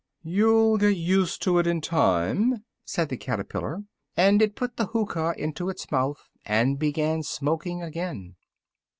"You'll get used to it in time," said the caterpillar, and it put the hookah into its mouth, and began smoking again.